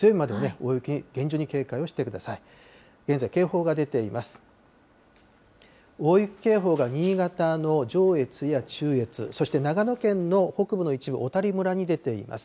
大雪警報が新潟の上越や中越、そして、長野県の北部の一部、小谷村に出ています。